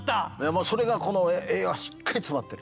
もうそれがこの栄養がしっかり詰まってる。